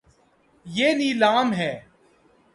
یے نیلا م ہے